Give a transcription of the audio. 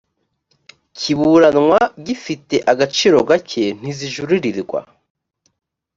kiburanwa gifite agaciro gato ntizijuririrwa